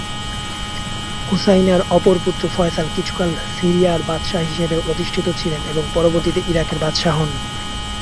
হুসাইনের অপর পুত্র ফয়সাল কিছুকাল সিরিয়ার বাদশাহ হিসেবে অধিষ্ঠিত ছিলেন এবং পরবর্তীতে ইরাকের বাদশাহ হন।